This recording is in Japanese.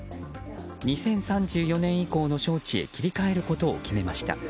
２０３４年以降の招致へ切り替えることを決めました。